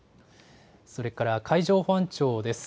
それから海上保安庁です。